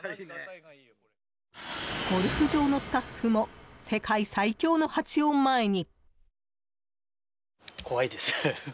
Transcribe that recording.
ゴルフ場のスタッフも世界最凶のハチを前に。